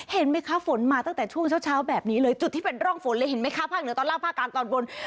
เห็นไหมคะฝนมาตั้งแต่ช่วงเช้าแบบนี้เลยจุดที่เป็นร่องฝนเลยเห็นไหมคะภาคเหนือตอนล่างภาคกลางตอนบน